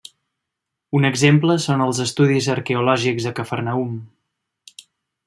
Un exemple són els estudis arqueològics a Cafarnaüm.